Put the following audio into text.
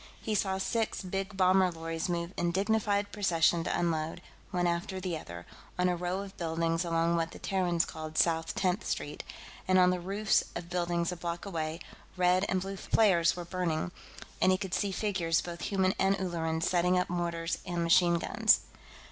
He saw six big bomber lorries move in dignified procession to unload, one after the other, on a row of buildings along what the Terrans called South Tenth Street, and on the roofs of buildings a block away, red and blue flares were burning, and he could see figures, both human and Ulleran, setting up mortars and machine guns.